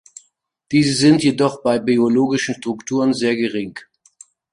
Diese sind jedoch bei biologischen Strukturen sehr gering.